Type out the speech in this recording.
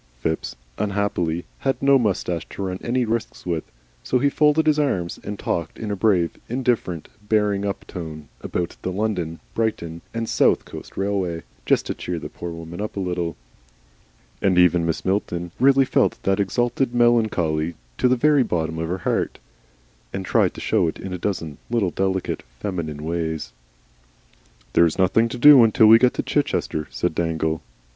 Phipps, unhappily, had no moustache to run any risks with, so he folded his arms and talked in a brave, indifferent, bearing up tone about the London, Brighton, and South Coast Railway, just to cheer the poor woman up a little. And even Mrs. Milton really felt that exalted melancholy to the very bottom of her heart, and tried to show it in a dozen little, delicate, feminine ways. "There is nothing to do until we get to Chichester," said Dangle. "Nothing."